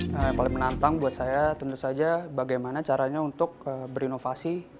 nah yang paling menantang buat saya tentu saja bagaimana caranya untuk berinovasi